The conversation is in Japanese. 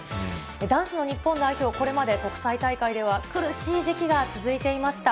男子の日本代表、これまで国際大会では、苦しい時期が続いていました。